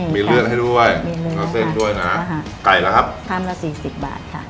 มีเลือดให้ด้วยแล้วเส้นด้วยนะไก่ละครับค่ำละ๔๐บาทค่ะ